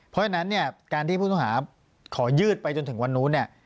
เพราะฉะนั้นเนี่ยการที่ผู้ต้องหาขอยืดไปจนถึงวันนู้นเนี่ย